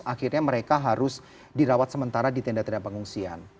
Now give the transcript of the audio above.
akhirnya mereka harus dirawat sementara di tenda tenda pengungsian